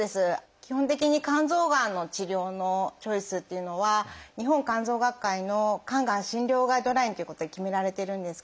基本的に肝臓がんの治療のチョイスっていうのは日本肝臓学会の「肝癌診療ガイドライン」ということで決められているんですけども。